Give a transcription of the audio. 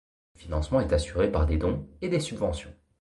Le financement est assuré par des dons et des subventions.